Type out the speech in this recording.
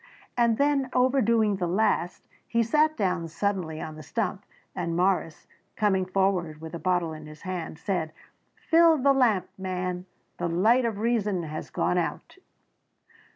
And then overdoing the last, he sat down suddenly on the stump, and Morris, coming forward with a bottle in his hand said, "Fill the lamp, man the light of reason has gone out."